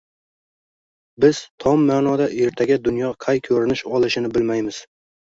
Biz tom ma’noda ertaga dunyo qay ko‘rinish olishini bilmaymiz